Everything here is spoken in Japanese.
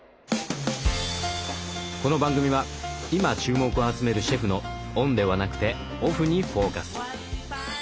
この番組は今注目を集めるシェフのオンではなくてオフにフォーカス。